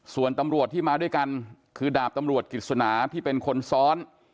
ส่วนตำรวจที่มาด้วยกันคือดาบตำรวจกิจสนาที่เป็นคนซ้อน